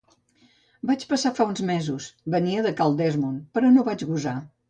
Vaig passar fa uns mesos, venia de cal Dessmond, però no vaig gosar.